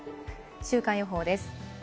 週間予報です。